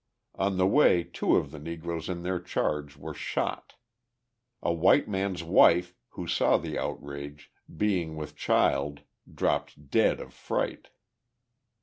On the way two of the Negroes in their charge were shot. A white man's wife, who saw the outrage, being with child, dropped dead of fright.